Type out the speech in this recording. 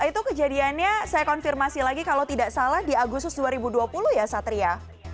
itu kejadiannya saya konfirmasi lagi kalau tidak salah di agustus dua ribu dua puluh ya satria